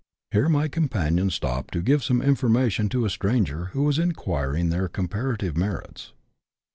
Here my com panion stopped to give some information to a stranger who was inquiring their comparative merits.